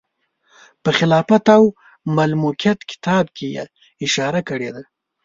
په خلافت او ملوکیت کتاب کې یې اشاره کړې ده.